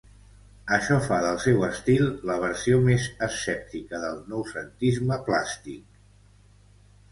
Això fa del seu estil la versió més escèptica del Noucentisme plàstic.